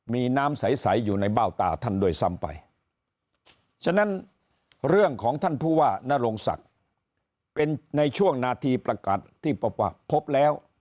มีน้ำใสอยู่ในเบ้าตาท่านด้วยซ้ำไปฉะนั้นเรื่องของท่านผู้ว่านโรงศักดิ์เป็นในช่วงนาทีประกาศที่พบว่าพบแล้ว